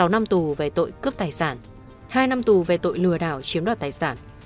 sáu năm tù về tội cướp tài sản hai năm tù về tội lừa đảo chiếm đoạt tài sản